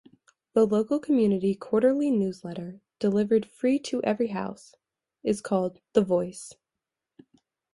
The local community quarterly newsletter, delivered free to every house, is called "The Voice".